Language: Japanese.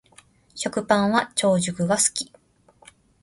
食パンは長熟が好き